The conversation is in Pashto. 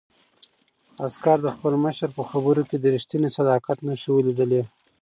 عسکر د خپل مشر په خبرو کې د رښتیني صداقت نښې ولیدلې.